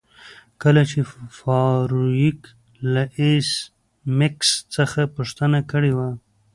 کله چې فارویک له ایس میکس څخه پوښتنه کړې وه